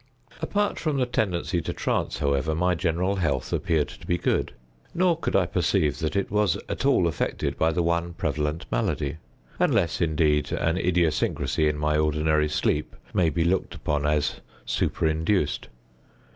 Apart from the tendency to trance, however, my general health appeared to be good; nor could I perceive that it was at all affected by the one prevalent malady—unless, indeed, an idiosyncrasy in my ordinary sleep may be looked upon as superinduced.